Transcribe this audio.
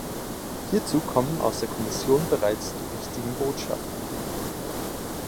Hierzu kommen aus der Kommission bereits die richtigen Botschaften.